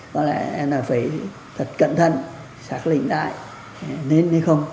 có lẽ là phải thật cẩn thận xác lĩnh đại nên hay không